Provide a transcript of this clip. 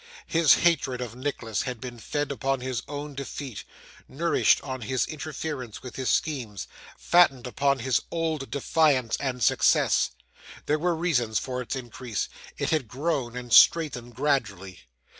His hatred of Nicholas had been fed upon his own defeat, nourished on his interference with his schemes, fattened upon his old defiance and success. There were reasons for its increase; it had grown and strengthened gradually.